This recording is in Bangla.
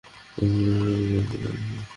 এগুলো সব কল্পিত, আম্মু।